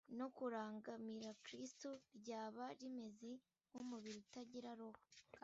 no kurangamira kristu ryaba rimeze nk’umubiri utagira roho